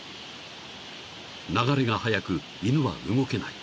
［流れが速く犬は動けない］